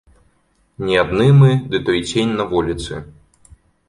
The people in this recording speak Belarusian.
Не адны мы ды той цень на вуліцы.